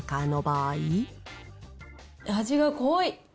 味が濃い。